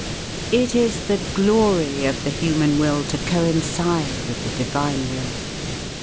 It is the glory of the human will to coincide with the Divine Will.